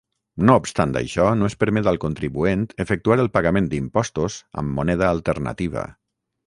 No obstant això, no es permet al contribuent efectuar el pagament d'impostos amb moneda alternativa.